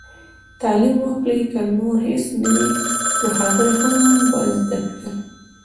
تعليم وکړئ! که نور هيڅ نه وي نو، خبرې خو به زده کړي.